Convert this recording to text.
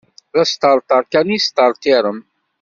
D asṭerṭer kan i tesṭerṭirem.